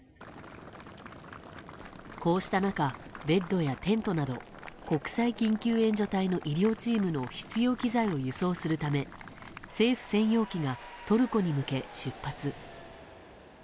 こうした中、ベッドやテントなど国際緊急援助隊の医療チームの必要機材を輸送するため政府専用機がトルコに向け出発。